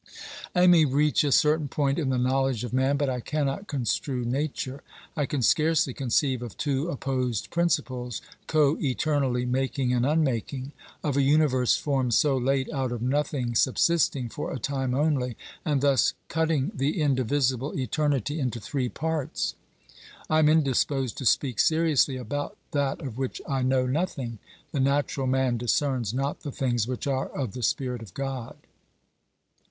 I may reach a certain point in the knowledge of man, but I cannot construe Nature. I can scarcely conceive of two opposed principles, coeternally making and unmaking ; of a universe formed so late out of nothing subsisting for a time only, and thus cutting the indivisible eternity into three parts. I am indisposed to speak seriously about that of which I know nothing :" The natural man discerns not the things which are of the Spirit of God."